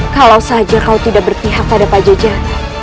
kalau saja kau tidak berpihak pada pak jejah